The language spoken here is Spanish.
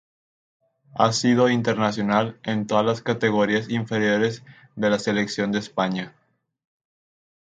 Ha sido internacional en todas las categorías inferiores de la Selección de España.